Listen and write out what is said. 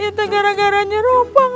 itu gara garanya ropang